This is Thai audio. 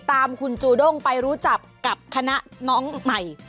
ตามคุณจูด้งไปรู้จักกับคณะน้องใหม่